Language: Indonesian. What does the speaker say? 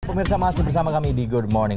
pemirsa masih bersama kami di good morning